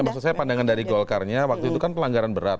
maksud saya pandangan dari golkarnya waktu itu kan pelanggaran berat